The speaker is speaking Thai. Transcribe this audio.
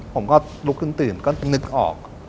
ผมก็ลุกขึ้นตื่นก็นึกออก